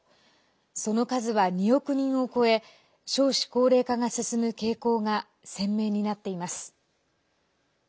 その数は２億人を超え少子高齢化が進む傾向が鮮明になっています。